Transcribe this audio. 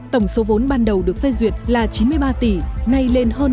tổng số vốn ban đầu được phê duyệt là chín mươi ba tỷ